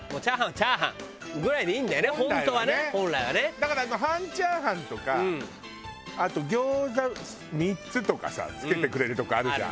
だから半炒飯とかあと餃子３つとかさ付けてくれるとこあるじゃん。